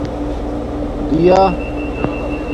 دِیݳ